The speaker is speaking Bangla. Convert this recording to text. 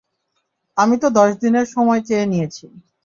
আমি তো দশ দিনের সময় চেয়ে নিয়েছি।